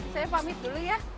saya pamit dulu ya